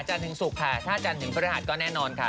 จันทร์ถึงศุกร์ค่ะถ้าจันทร์ถึงภรรยาศก็แน่นอนค่ะ